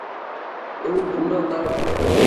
اُ پورو ڪرو۔